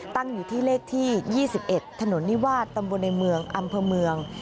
ตั้งอยู่ที่เลขที่๒๑ถนนนิวาสตมบุญญาณเมืองอำเพมือง